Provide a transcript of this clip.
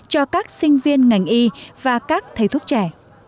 cho các sinh viên ngành y và các thầy thuốc trẻ